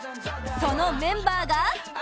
そのメンバーが